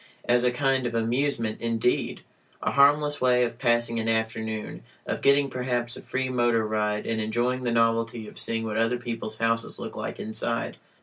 As a kind of amusement, indeed! A harmless way of passing an afternoon, of getting perhaps a free motor ride and enjoying the novelty of seeing what other people's houses look like inside.